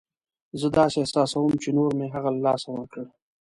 زه داسې احساسوم چې نور مې هغه له لاسه ورکړ.